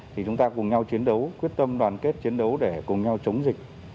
thì chúng ta cùng nhau chiến đấu quyết tâm đoàn kết chiến đấu để cùng nhau chống dịch